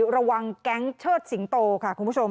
ระวังแก๊งเชิดสิงโตค่ะคุณผู้ชม